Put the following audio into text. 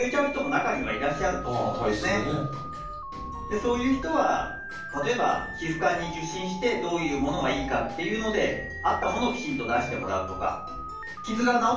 そういう人は例えば皮膚科に受診してどういうものがいいかっていうので合ったものをきちんと出してもらうとか傷が治ってから塗るとか。